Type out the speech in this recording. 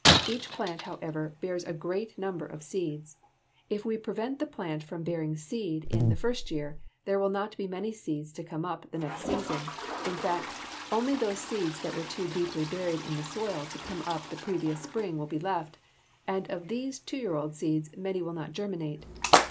Each plant, however, bears a great number of seeds. If we can prevent the plant from bearing seed in its first year, there will not be many seeds to come up the next season. In fact, only those seeds that were too deeply buried in the soil to come up the previous spring will be left, and of these two year old seeds many will not germinate.